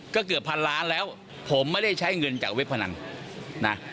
ก็เกือบพันล้านแล้วผมไม่ได้ใช้เงินจากเว็บพนันนะ